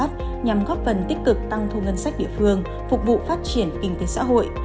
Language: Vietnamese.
nhằm góp phần tích cực tăng thu ngân sách địa phương phục vụ phát triển kinh tế xã hội